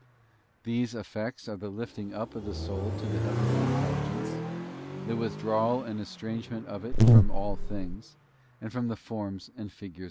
These effects are the lifting up of the soul to the heavenly Intelligence, the withdrawal and estrangement of it from all things, and from the forms and figures of them.